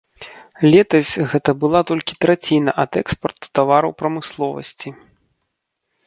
Летась гэта была толькі траціна ад экспарту тавараў прамысловасці.